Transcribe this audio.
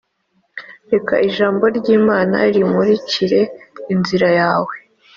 Reka Ijambo ry Imana rimurikire inzira yawe